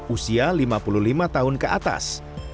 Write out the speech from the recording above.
usia lima puluh lima tahun ke atas